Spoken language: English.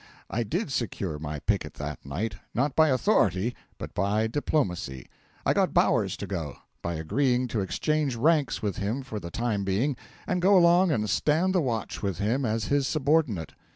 I did secure my picket that night not by authority, but by diplomacy. I got Bowers to go, by agreeing to exchange ranks with him for the time being, and go along and stand the watch with him as his subordinate.